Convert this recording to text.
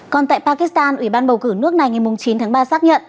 còn tại pakistan ủy ban bầu cử nước này ngày chín tháng ba xác nhận